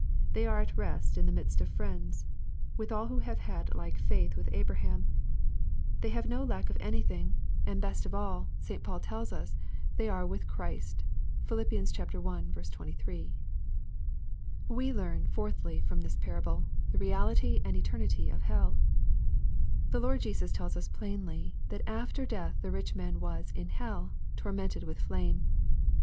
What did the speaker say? They are at rest in the midst of friends, with all who have had like faith with Abraham. They have no lack of anything. And, 814 EXPOSITORY THOUGHTS. best of all, St, Paul tells us they are '' with Christ.'* (Phil. i. 23.) We learn, fourthly, from this parable, the reality and eternity of hell. The Lord Jesus tells us plainly, that after death the rich man was " in hell, — toimented with flame."